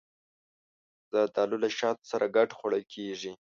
زردالو له شاتو سره ګډ خوړل کېږي.